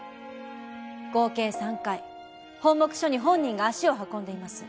合計３回本牧署に本人が足を運んでいます。